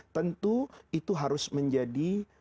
tentu itu harus menjadi